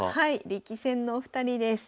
力戦のお二人です。